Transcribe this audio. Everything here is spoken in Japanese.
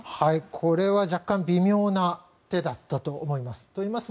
これは若干微妙な手だったと思います。